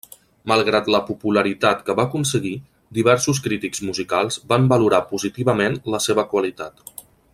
Malgrat la popularitat que va aconseguir, diversos crítics musicals van valorar positivament la seva qualitat.